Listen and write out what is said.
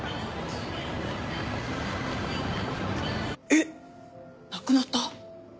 えっ亡くなった？